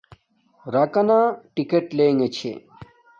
راکا نا ٹکٹ لنگے چھے